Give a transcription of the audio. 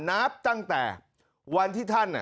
นับตั้งแต่วันที่ท่าน